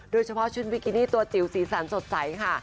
โดยเฉพาะชุดบิกินี่ตัวจิ๋วสีสันสดใสค่ะ